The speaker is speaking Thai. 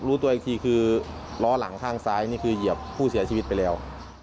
รู้ตัวอีกทีคือล้อหลังข้างซ้ายนี่คือเหยียบผู้เสียชีวิตไปแล้ว